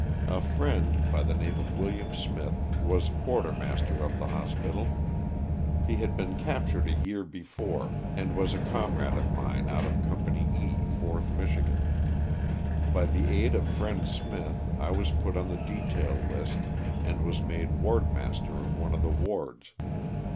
A friend, by the name of William Smith, was quartermaster of the hospital. He had been cap tured a year before and was a comrade of mine out of Company E, 4th Michigan. By the aid of friend Smith I was put on the detail list, and was made ward master of one of the wards.